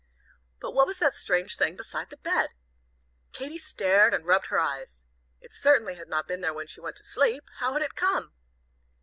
But what was that strange thing beside the bed! Katy stared, and rubbed her eyes. It certainly had not been there when she went to sleep. How had it come?